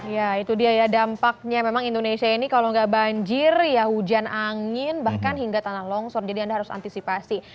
ya itu dia ya dampaknya memang indonesia ini kalau nggak banjir ya hujan angin bahkan hingga tanah longsor jadi anda harus antisipasi